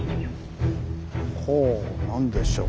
ほぉ何でしょう？